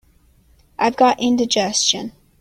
I've got indigestion.